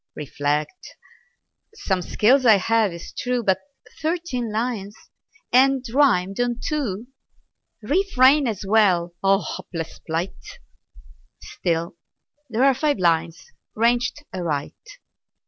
Reflect. Some skill I have, 'tis true; But thirteen lines! and rimed on two! "Refrain" as well. Ah, Hapless plight! Still, there are five lines ranged aright.